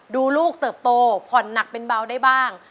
ดูลูกเติบโตผ่อนหนักเป็นเบาได้บ้าง